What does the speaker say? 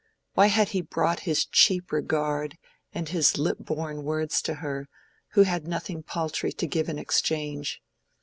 Why had he brought his cheap regard and his lip born words to her who had nothing paltry to give in exchange?